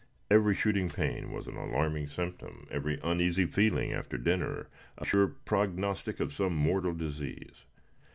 Every shooting pain was an alarming symptom every uneasy feeling after dinner a sure prognostic of some mortal disease.